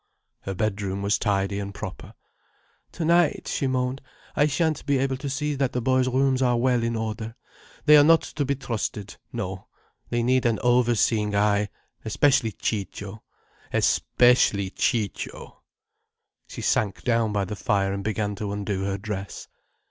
Her bedroom was tidy and proper. "Tonight," she moaned, "I shan't be able to see that the boys' rooms are well in order. They are not to be trusted, no. They need an overseeing eye: especially Ciccio; especially Ciccio!" She sank down by the fire and began to undo her dress.